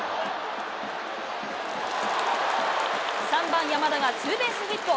３番山田がツーベースヒット。